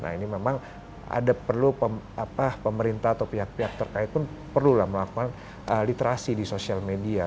nah ini memang ada perlu pemerintah atau pihak pihak terkait pun perlulah melakukan literasi di sosial media